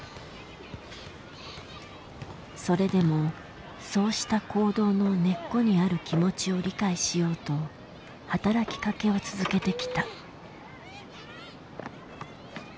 それでもそうした行動の根っこにある気持ちを理解しようと働きかけを続けてきた。